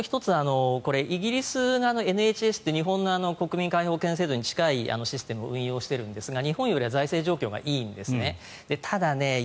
あと、もう１つイギリスがＮＨＳって日本の国民皆保険制度に近いシステムを運用しているんですが日本よりは財政状況がいいんです。